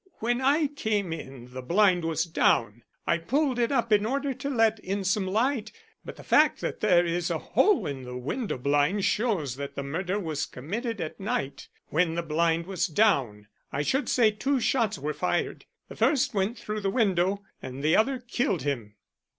"When I came in the blind was down. I pulled it up in order to let in some light. But the fact that there is a hole in the window blind shows that the murder was committed at night, when the blind was down. I should say two shots were fired. The first went through the window, and the other killed him."